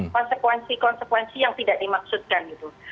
konsekuensi konsekuensi yang tidak dimaksudkan gitu